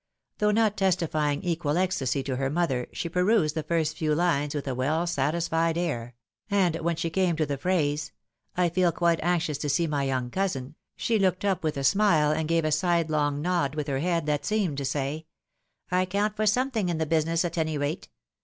Though not testifying equal ecstasy ■to her mother, she perused the first few lines with a well satisfied air ; and when she came to the phrase, " I feel quite anxious to see my young cousin," she looked up ■with a smile, and gave a sidelong nod with her head that seemed to say, " I count for something in the business, at any rate."